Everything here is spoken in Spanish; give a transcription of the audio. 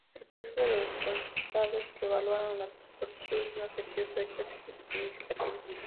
El sexo de los responsables que evaluaron las solicitudes no ejerció efectos significativos.